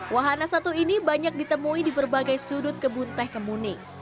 wahana satu ini banyak ditemui di berbagai sudut kebun teh kemuning